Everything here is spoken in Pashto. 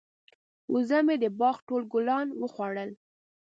وزه مې د باغ ټول ګلان وخوړل.